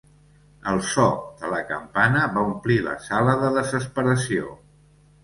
El so de la campana va omplir la sala de desesperació.